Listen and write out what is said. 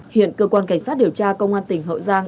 hiện cơ quan cảnh sát điều tra công an tỉnh hậu giang